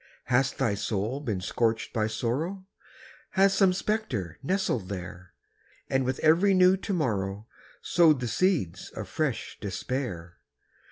Has thy soul been scorched by sorrow, Has some spectre nestled there? And with every new to morrow, Sowed the seeds of fresh despair?